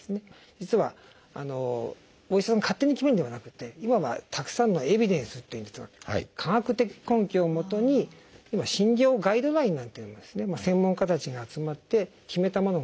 実はお医者さんが勝手に決めるんではなくて今はたくさんのエビデンスっていうんですが科学的根拠をもとに今診療ガイドラインなんていうもの専門家たちが集まって決めたものがあります。